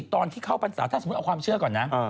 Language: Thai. ตอนที่เข้าพรรษาถ้าสมมุติเอาความเชื่อก่อนนะ